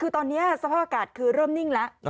ตอนนี้สร้างพลังอากาศเริ่มนิ่งละ